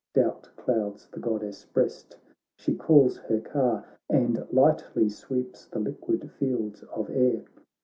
Doubt clouds the Goddess' breast — she calls her car. And lightly sweeps the liquid fields ofair.